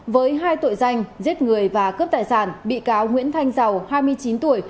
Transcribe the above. với hai tội danh giết người và cướp tài sản bị cáo nguyễn thanh giàu hai mươi chín tuổi